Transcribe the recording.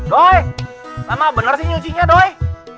doi lama bener sih nyuci nya doi